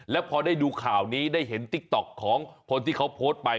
แล้วพอได้ดูข่าวนี้ได้เห็นติ๊กต๊อกของคนที่เขาโพสต์ไป